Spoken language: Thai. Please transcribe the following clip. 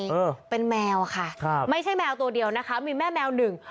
เออเป็นแมวค่ะครับไม่ใช่แมวตัวเดียวนะคะมีแม่แมวหนึ่ง